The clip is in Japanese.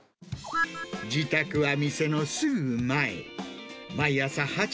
自宅は店のすぐ前。